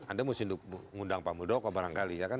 anda mesti ngundang pak muldoko barangkali ya kan